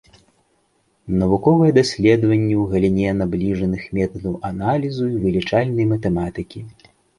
Навуковыя даследаванні ў галіне набліжаных метадаў аналізу і вылічальнай матэматыкі.